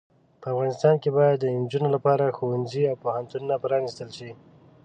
په افغانستان کې باید د انجونو لپاره ښوونځې او پوهنتونونه پرانستل شې.